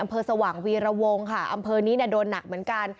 สว่างวีรวงค่ะอำเภอนี้เนี่ยโดนหนักเหมือนกัน